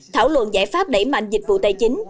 thảo luận giải pháp đẩy mạnh dịch vụ tài chính